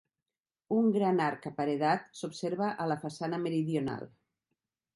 Un gran arc aparedat s'observa a la façana meridional.